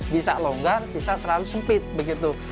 bisa longgar bisa terlalu sempit begitu